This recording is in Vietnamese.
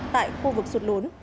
tại khu vực sụt lún